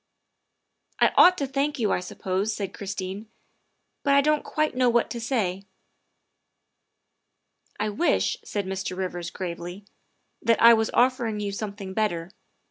" I ought to thank you, I suppose," said Christine, '' but I don 't quite know what to say. '''' I wish, '' said Mr. Rivers gravely, '' that I was offer ing you something better.